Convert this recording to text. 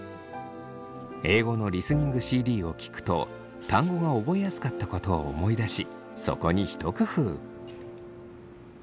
英語のリスニングＣＤを聞くと単語が覚えやすかったことを思い出しそこに一工夫。